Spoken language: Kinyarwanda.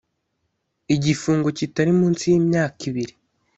igifungo kitari munsi y imyaka ibiri